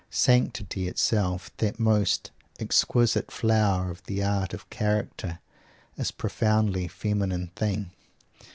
Sanctity itself that most exquisite flower of the art of character is a profoundly feminine thing.